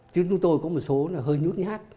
chứ chúng tôi có một số hơi nhút nhát